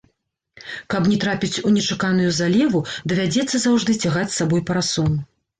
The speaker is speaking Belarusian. Каб не трапіць у нечаканую залеву, давядзецца заўжды цягаць з сабой парасон.